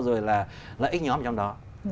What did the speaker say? rồi là lợi ích nhóm trong đó